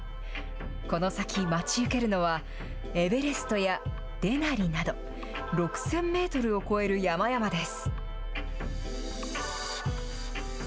この先、待ち受けるのはエベレストやデナリなど、６０００メートルを超える山々です。